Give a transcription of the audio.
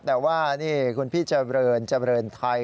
แต่ว่านี่คุณพี่เจ้าเบิร์นเจ้าเบิร์นไทย